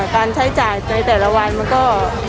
การใช้จ่ายในแต่ละวันมันก็